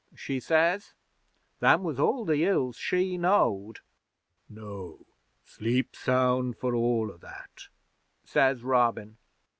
she says. Them was all the ills she knowed. '"No. Sleep sound for all o' that," says Robin.